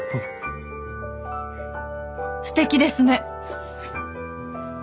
すてきですね。